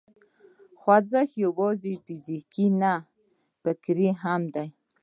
خوځښت یوازې فزیکي نه، فکري هم دی.